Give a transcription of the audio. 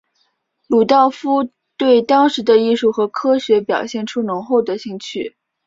鲁道夫对当时的艺术和科学表现出浓厚的兴趣。